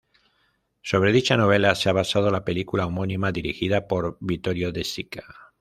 Sobre dicha novela se ha basado la película homónima dirigida por Vittorio De Sica.